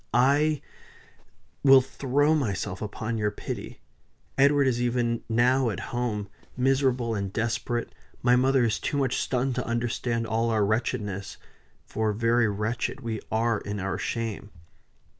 I will throw myself upon your pity. Edward is even now at home miserable and desperate; my mother is too much stunned to understand all our wretchedness for very wretched we are in our shame."